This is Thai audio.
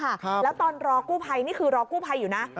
แล้วตอนรอกู้ภัยนี่คือรอกู้ภัยอยู่นะ